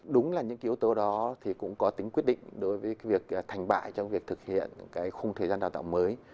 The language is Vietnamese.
đúng là những yếu tố đó cũng có tính quyết định đối với việc thành bại trong việc thực hiện khung thời gian đào tạo mới